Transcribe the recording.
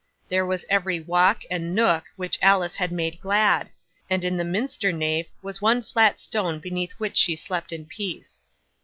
There was every walk and nook which Alice had made glad; and in the minster nave was one flat stone beneath which she slept in peace.